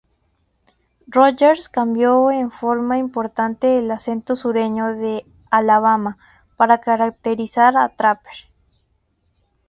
Rogers cambió en forma importante el acento sureño de Alabama para caracterizar a Trapper.